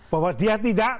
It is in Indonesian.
bahwa dia tidak